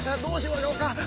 どうしましょうか。